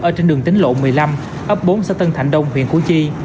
ở trên đường tính lộ một mươi năm ấp bốn xã tân thạnh đông huyện củ chi